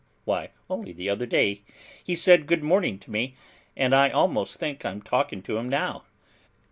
Why, only the other day he said good morning' to me, and I almost think I'm talking to him now!